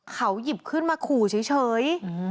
เขาหยิบขึ้นมาขู่เฉย